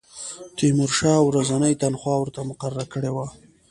تیمورشاه ورځنۍ تنخوا ورته مقرره کړې وه.